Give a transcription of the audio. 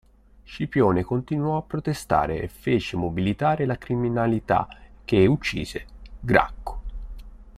Scipione continuò a protestare e fece mobilitare la criminalità che uccise Gracco.